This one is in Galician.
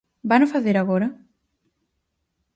¿Vano facer agora?